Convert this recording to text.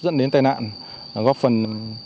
dẫn đến tàn nạn góp phần